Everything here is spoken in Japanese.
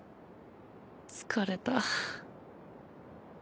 疲れた。